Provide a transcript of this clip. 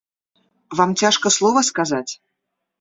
Вам цяжка слова сказаць?